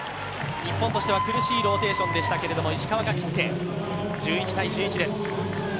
日本としては苦しいローテーションでしたけど、石川が切って、１１−１１です。